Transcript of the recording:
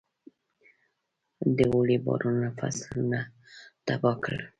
د اوړي بارانونو فصلونه تباه کړل.